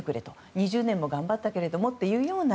２０年も頑張ったけれどもというような。